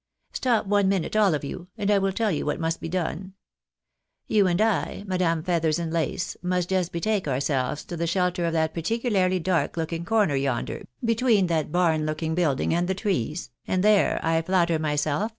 Stop one minute, all of you, and I will tell you what must be done. You and I, Madame Feathers and lace, must just betake ourselves to the shelter of that particularly dark looking corner yonder between that barn looking building and the trees, and there, I flatter myself.